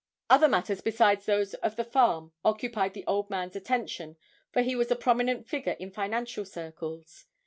Other matters besides those of the farm occupied the old man's attention for he was a prominent figure in financial circles.